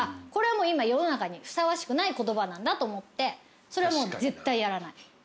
これは今世の中にふさわしくない言葉と思ってそれはもう絶対やらない。